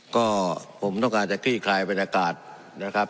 ก็ผมต้องการจะคลี่คลายบรรยากาศนะครับ